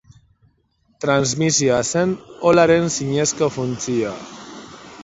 Transmisioa zen olaren zinezko funtzioa.